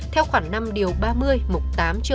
theo khoảng năm điều ba mươi tám hai